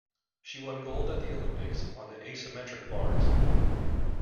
She won gold at the Olympics on the asymmetric bars